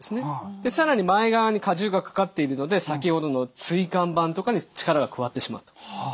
で更に前側に荷重がかかっているので先ほどの椎間板とかに力が加わってしまうと。